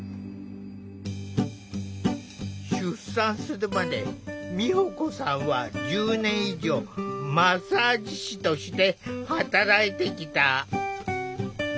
出産するまで美保子さんは１０年以上マッサージ師として働いてきた。